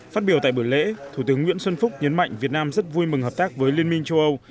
phát biểu tại bữa lễ thủ tướng nguyễn xuân phúc nhấn mạnh việt nam rất vui mừng hợp tác với liên minh châu âu